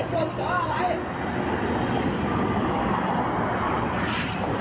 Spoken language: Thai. กลับไว้ว้าว